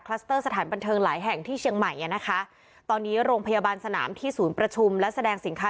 สถานบันเทิงหลายแห่งที่เชียงใหม่อ่ะนะคะตอนนี้โรงพยาบาลสนามที่ศูนย์ประชุมและแสดงสินค้า